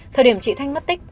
thời điểm chị thanh mất tích